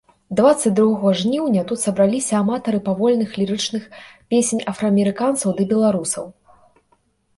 Дваццаць другога жніўня тут сабраліся аматары павольных лірычных песень афраамерыканцаў ды беларусаў.